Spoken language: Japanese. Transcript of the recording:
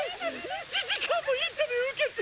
１時間もインタビュー受けて。